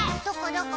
どこ？